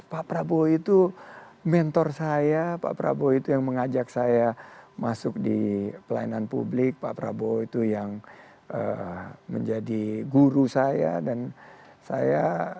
pak prabowo itu mentor saya pak prabowo itu yang mengajak saya masuk di pelayanan publik pak prabowo itu yang menjadi guru saya dan saya